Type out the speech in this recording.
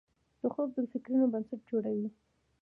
خوب د فکرونو بنسټ جوړوي